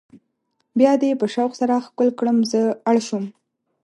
بیا دې په شوق سره ښکل کړم زه اړ شوم.